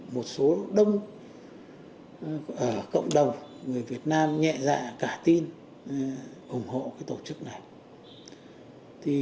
một số đông cộng đồng người việt nam nhẹ dạng cả tin ủng hộ tổ chức này